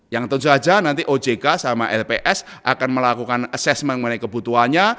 yang tentu saja nanti ojk sama lps akan melakukan asesmen mengenai kebutuhannya